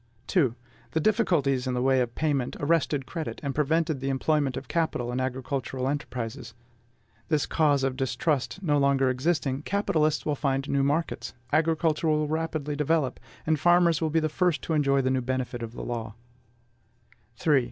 2. The difficulties in the way of payment arrested credit, and prevented the employment of capital in agricultural enterprises. This cause of distrust no longer existing, capitalists will find new markets, agriculture will rapidly develop, and farmers will be the first to enjoy the benefit of the new law. 3.